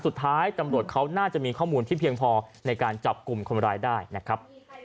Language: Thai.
สุดท้ายตำรวจเขาน่าจะมีข้อมูลที่เพียงพอในการจับกลุ่มคนร้ายได้นะครับ